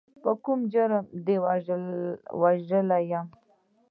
په کوم جرم دې وژلی یم.